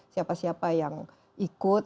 siapa siapa yang ikut